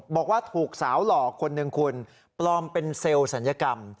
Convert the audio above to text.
บอกว่าถูกสาวหล่อคนหนึ่งคุณปลอมเป็นเซลล์ศัลยกรรม